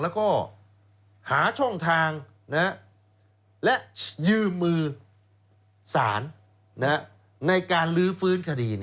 แล้วก็หาช่องทางและยืมมือสารในการลื้อฟื้นคดี